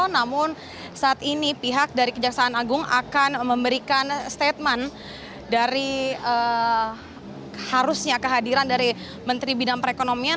namun saat ini pihak dari kejaksaan agung akan memberikan statement dari harusnya kehadiran dari menteri bidang perekonomian